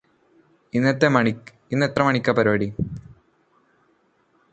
ഇന്നെത്ര മണിക്കാ പരിപാടി?